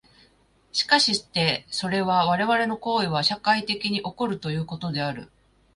しかしてそれは我々の行為は社会的に起こるということである。